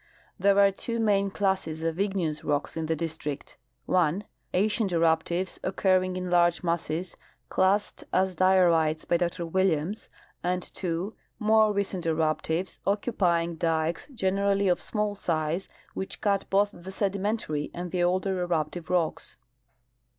There are two main classes of igneous rocks in the district :( 1 ) ancient eruptives occurring in large masses, classed as diorites by Dr Williams, and (2) more recent eruptives, occupying dikes generally of small size, which cut both the se'dimentary and the older eruptive rocks.